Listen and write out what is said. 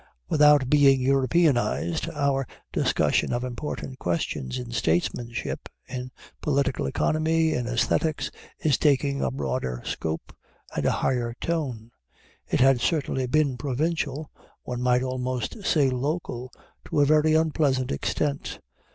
Without being Europeanized, our discussion of important questions in statesmanship, in political economy, in æsthetics, is taking a broader scope and a higher tone. It had certainly been provincial, one might almost say local, to a very unpleasant extent.